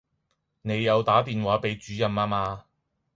你有打電話畀主任吖嗎